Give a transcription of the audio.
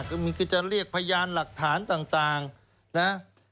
คือจะเรียกพยานหลักฐานต่างนะ